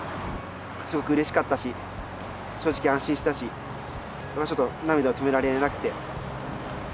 すごくうれしかったし正直安心したし僕はちょっと涙を止められなくて。